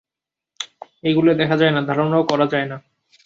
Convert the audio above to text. এইগুলি দেখা যায় না, ধারণাও করা যায় না।